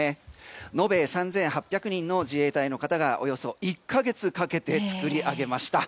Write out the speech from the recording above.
延べ３８００人の自衛隊の方がおよそ１か月かけて作り上げました。